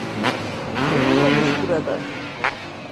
Neler olmuş burada?